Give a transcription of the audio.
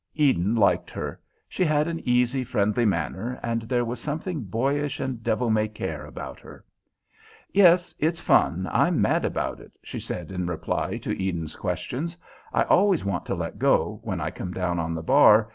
Eden liked her. She had an easy, friendly manner, and there was something boyish and devil may care about her. "Yes, it's fun. I'm mad about it," she said in reply to Eden's questions. "I always want to let go, when I come down on the bar.